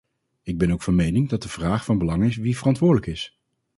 Ik ben ook van mening dat de vraag van belang is wie verantwoordelijk is.